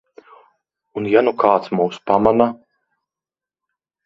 Un ja nu kāds mūs pamana?